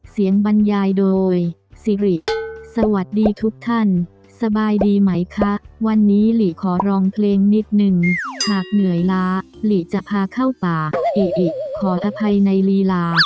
บรรยายโดยสิริสวัสดีทุกท่านสบายดีไหมคะวันนี้หลีขอร้องเพลงนิดนึงหากเหนื่อยล้าหลีจะพาเข้าป่าเออิขออภัยในลีลา